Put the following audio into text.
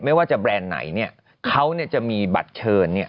ไม่ว่าจะแบรนด์ไหนเนี่ยเขาจะมีบัตรเชิญเนี่ย